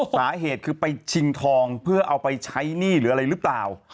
สาเหตุคือไปชิงทองเพื่อเอาไปใช้หนี้หรืออะไรหรือเปล่า